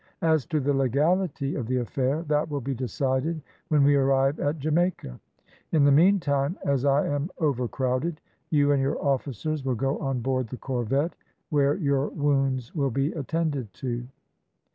As to the legality of the affair, that will be decided when we arrive at Jamaica. In the meantime, as I am overcrowded, you and your officers will go on board the corvette, where your wounds will be attended to."